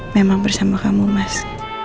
memang bersama kamu mas